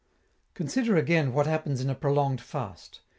Consider again what happens in a prolonged fast.